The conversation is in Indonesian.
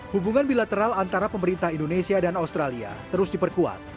hubungan bilateral antara pemerintah indonesia dan australia terus diperkuat